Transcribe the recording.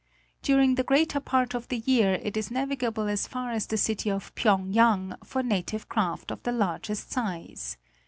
During the greater part of the year it is navigable as far as the city of Phyéngyang for native craft of the largest size.